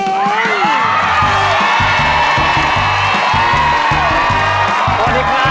สวัสดีค่ะ